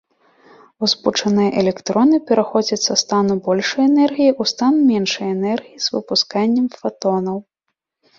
Узбуджаныя электроны пераходзяць са стану большай энергіі ў стан меншай энергіі з выпусканнем фатонаў.